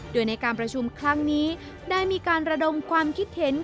โดยในการประชุมครั้งนี้ได้มีการระดมความคิดเห็น